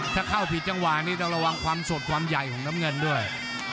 ถ้าเข้าผิดจังหวะนี้ต้องระวังความสดความใหญ่ของน้ำเงินด้วย